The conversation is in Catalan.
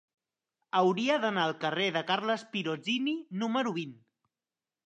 Hauria d'anar al carrer de Carles Pirozzini número vint.